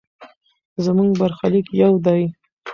زموږ برخلیک یو دی.